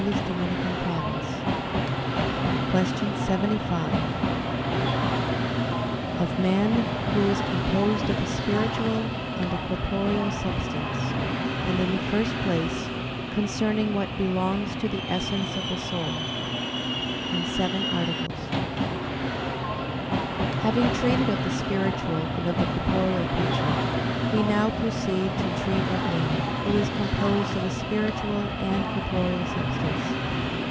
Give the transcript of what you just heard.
75 102) _______________________ QUESTION 75 OF MAN WHO IS COMPOSED OF A SPIRITUAL AND A CORPOREAL SUBSTANCE: AND IN THE FIRST PLACE, CONCERNING WHAT BELONGS TO THE ESSENCE OF THE SOUL (In Seven Articles) Having treated of the spiritual and of the corporeal creature, we now proceed to treat of man, who is composed of a spiritual and corporeal substance.